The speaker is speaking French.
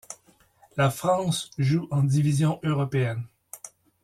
La France joue en Division Européenne.